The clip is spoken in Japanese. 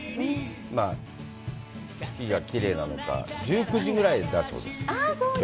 まあ、月がきれいなのか、１９時ぐらいだそうです。